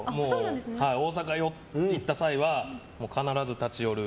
大阪に行った際は必ず立ち寄る。